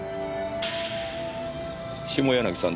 下柳さん